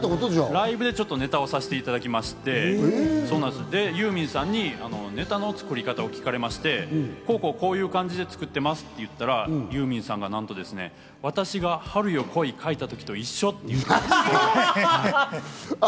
ライブでネタをさせていただきまして、ユーミンさんに、ネタの作り方を聞かれまして、こうこう、こういう感じで作ってますって言ったら、ユーミンさんがなんとですね、私が『春よ、来い』書いた時と一緒って。